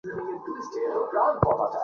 আমরাও বিভ্রান্ত আসলে।